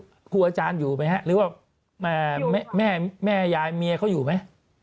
ครูอาจารย์อยู่ไหมฮะหรือว่าแม่ยายเมียเขาอยู่ไหม